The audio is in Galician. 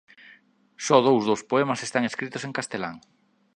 Só dous dos poemas están escritos en castelán.